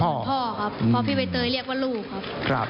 พ่อครับเพราะพี่ใบเตยเรียกว่าลูกครับ